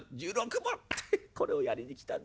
これをやりに来たんだ。